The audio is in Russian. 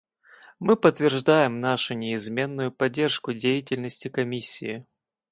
Мы подтверждаем нашу неизменную поддержку деятельности Комиссии.